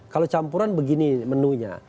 kalau campuran begini menunya